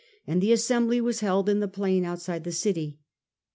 165 and the assembly was held in the plain outside the city.